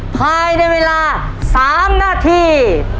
ภายในเวลา๓นาที